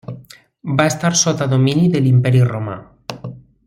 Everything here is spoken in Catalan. Va estar sota domini de l'Imperi Romà.